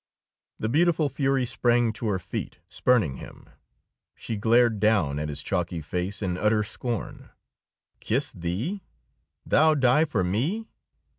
The beautiful fury sprang to her feet, spurning him. She glared down at his chalky face in utter scorn. "Kiss thee? Thou die for me?